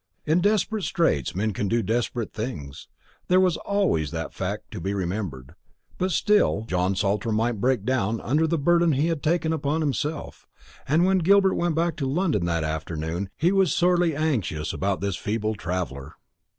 In desperate straits men can do desperate things there was always that fact to be remembered; but still John Saltram might break down under the burden he had taken upon himself; and when Gilbert went back to London that afternoon he was sorely anxious about this feeble traveller.